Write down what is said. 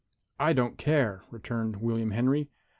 "I don't care," returned William Henry.